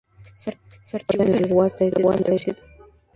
Su archivo se resguarda en la Iowa State University.